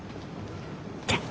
じゃあ。